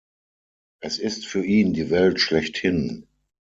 Es ist für ihn die Welt schlechthin.